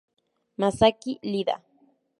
Masaki Iida